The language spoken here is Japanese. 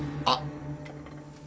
あっ。